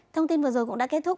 thông tin vừa rồi cũng đã kết thúc